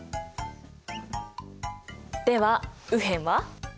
では右辺は？